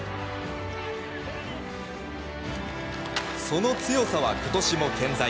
その強さは今年も健在。